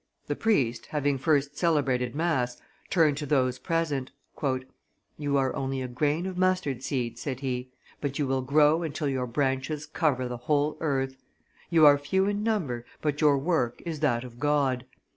The priest, having first celebrated mass, turned to those present. "You are only a grain of mustard seed," said he, "but you will grow until your branches cover the whole earth. You are few in number, but your work is that of God.